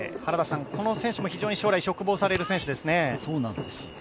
この選手も非常に将来、嘱望される選手ですよね。